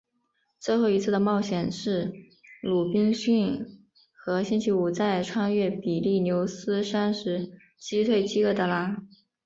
最后一次的冒险是鲁滨逊和星期五在穿越比利牛斯山时击退饥饿的狼。